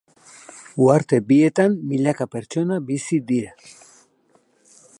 Uharte bietan milaka pertsona bizi dira.